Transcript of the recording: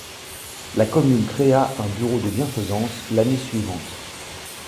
La commune créa un bureau de bienfaisance l'année suivante.